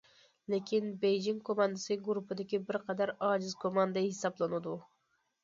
لېكىن، بېيجىڭ كوماندىسى گۇرۇپپىدىكى بىر قەدەر ئاجىز كوماندا ھېسابلىنىدۇ.